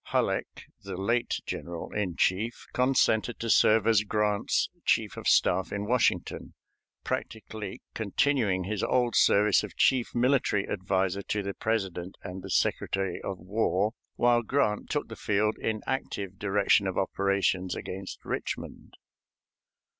Halleck, the late general in chief, consented to serve as Grant's chief of staff in Washington, practically continuing his old service of chief military adviser to the President and the Secretary of War, while Grant took the field in active direction of operations against Richmond.